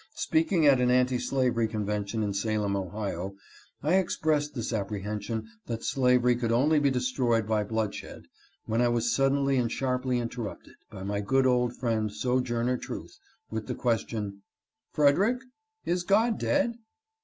) Speaking at an anti slavery convention in Salem, Ohio, I expressed this apprehension that slavery could only be destroyed by blood shed, when I was sud denly and sharply interrupted by my good old friend Sojourner Truth with the question, " Frederick, is God dead